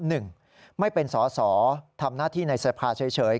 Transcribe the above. หนึ่งไม่เป็นสอสอทำหน้าที่ในสภาเฉย